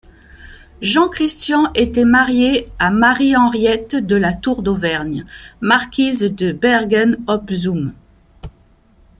Jean-Christian était marié à Marie-Henriette de La Tour d'Auvergne, marquise de Bergen op Zoom.